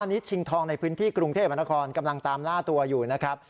อันนี้ชิงทองในพื้นที่กรุงเทพมนครกำลังตามล่าตัวอยู่นะครับ